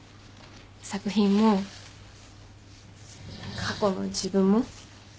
作品も過去の自分も。